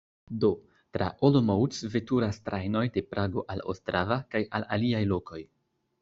Do, tra Olomouc veturas trajnoj de Prago al Ostrava kaj al aliaj lokoj.